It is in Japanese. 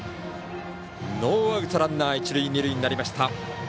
ノーアウトランナー、一塁二塁になりました。